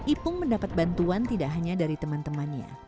ipung mendapat bantuan tidak hanya dari teman temannya